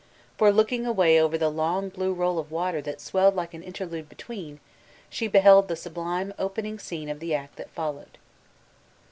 For looking away over the long blue roll of water that swelled like an interlude between, she beheld the sob* lime opening scene of the act that followed.